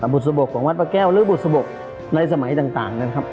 บุตรสะบกของวัดปะแก้วหรือบุตรสะบกในสมัยต่างนั้นครับ